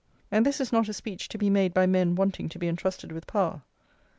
and this is not a speech to be made by men wanting to be entrusted with power.